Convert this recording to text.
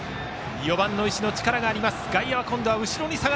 ４番の石野、力があります。